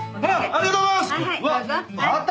ありがとうございます！